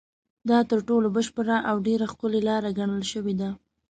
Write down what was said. دا تر ټولو بشپړه او ډېره ښکلې لاره ګڼل شوې ده.